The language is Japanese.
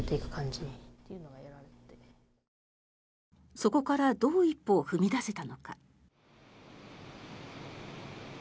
そこからどう一歩を踏み出せたのか。